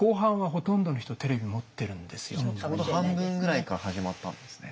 ちょうど半分ぐらいから始まったんですね。